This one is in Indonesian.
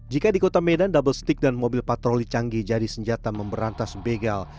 jika di kota medan double stick dan mobil patroli canggih jadi senjata memberantas begal